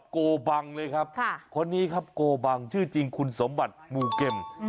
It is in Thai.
โกบังเลยครับคนนี้ครับโกบังชื่อจริงคุณสมบัติมูเกม